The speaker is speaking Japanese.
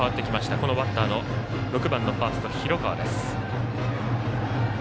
このバッターの６番ファーストの広川です。